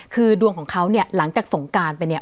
คือดวงของเขาเนี่ยหลังจากสงการไปเนี่ย